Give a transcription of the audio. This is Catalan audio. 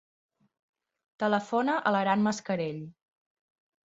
Telefona a l'Aran Mascarell.